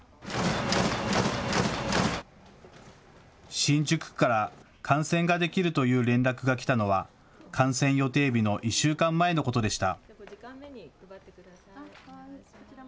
新宿区から観戦ができるという連絡が来たのは、観戦予定日の１週間前のことでした。